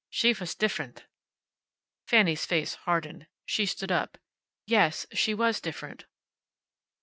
She was different." Fanny's face hardened. She stood up. "Yes, she was different."